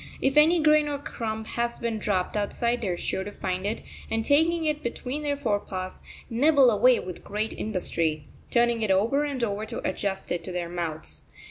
If any grain or crumb has been dropped outside they are sure to find it, and, taking it between their forepaws, nibble away with great industry, turning it over and over to adjust it to their mouths.